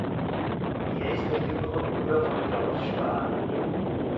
Er ist der jüngere Bruder von Claus Spahn.